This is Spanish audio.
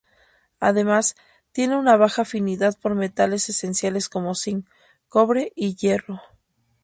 Además tiene una baja afinidad por metales esenciales como Zinc, Cobre y Hierro.